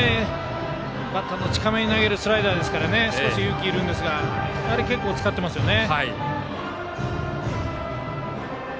バッターの近めに投げるスライダーですから少し勇気いるんですが結構、使っていますよね。